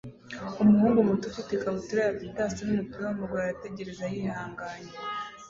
Umuhungu muto ufite ikabutura ya Adidas numupira wamaguru arategereza yihanganye